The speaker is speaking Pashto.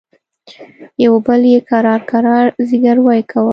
يوه بل يې کرار کرار زګيروي کول.